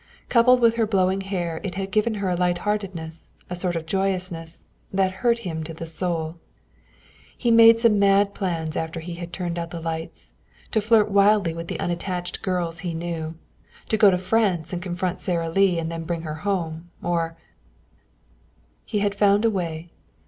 Coupled with her blowing hair it had given her a light heartedness, a sort of joyousness, that hurt him to the soul. He made some mad plans after he had turned out the lights to flirt wildly with the unattached girls he knew; to go to France and confront Sara Lee and then bring her home. Or He had found a way.